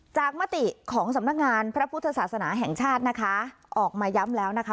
มติของสำนักงานพระพุทธศาสนาแห่งชาตินะคะออกมาย้ำแล้วนะคะ